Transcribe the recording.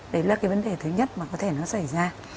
đấy là cái vấn đề thứ nhất mà có thể nó xảy ra